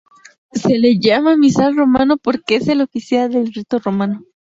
Se le llama Misal romano, porque es el oficial del rito romano.